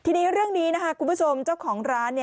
ทีนี้เรื่องนี้คุณผู้ชมเจ้าของร้าน